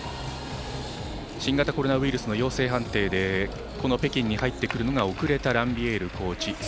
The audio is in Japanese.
新型コロナウイルスの陽性判定でこの北京に入ってくるのが遅れたランビエールコーチ。